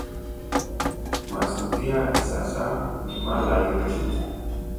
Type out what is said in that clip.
Masuti ya kisasa ni malairii.